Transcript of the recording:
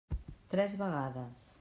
Tres vegades.